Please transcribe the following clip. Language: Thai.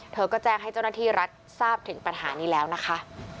เธอก็แจ้งให้เจ้าหน้าที่รัฐทราบถึงปัญหานี้แล้วนะคะ